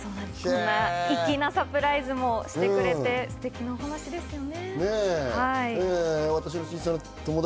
粋なサプライズもしてくれて、ステキなお話ですね。